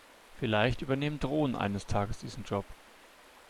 Vielleicht übernehmen Drohnen eines Tages diesen Job.